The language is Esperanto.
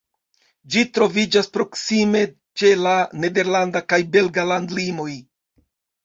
Ĝi troviĝas proksime ĉe la nederlanda kaj belga landlimoj.